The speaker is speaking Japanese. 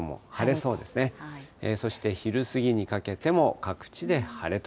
そして昼過ぎにかけても、各地で晴れと。